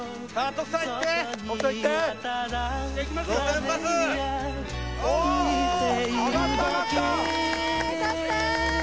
徳さーん！